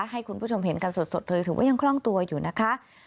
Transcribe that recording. ให้คุณผู้ชมเห็นกันสดเลยถือว่ายังคล่องตัวอยู่นะคะ